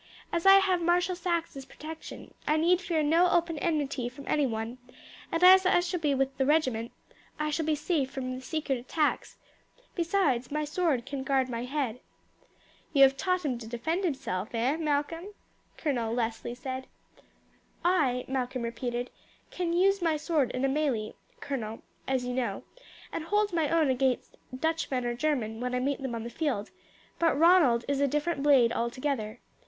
As I have Marshal Saxe's protection I need fear no open enmity from anyone, and as I shall be with the regiment I shall be safe from the secret attacks; besides, my sword can guard my head." "You have taught him to defend himself eh, Malcolm?" Colonel Leslie said. "I," Malcolm repeated "I can use my sword in a melee, colonel, as you know, and hold my own against Dutchman or German when I meet them on the field; but Ronald is a different blade altogether.